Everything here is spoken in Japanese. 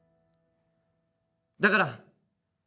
だから